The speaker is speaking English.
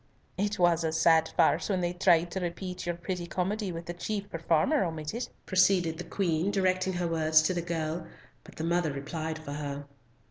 "It was a sad farce when they tried to repeat your pretty comedy with the chief performer omitted," proceeded the Queen, directing her words to the girl, but the mother replied for her.